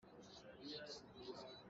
Na sibawi min ahodah a si?